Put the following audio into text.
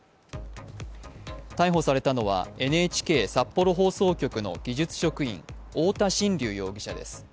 逮捕されたのはＮＨＫ札幌放送局の技術職員、太田真竜容疑者です。